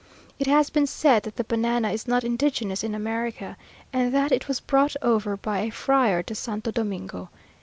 It has been said that the banana is not indigenous in America, and that it was brought over by a friar to Santo Domingo.